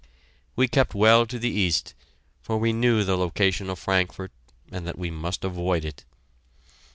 We kept well to the east, for we knew the location of Frankfort and that we must avoid it.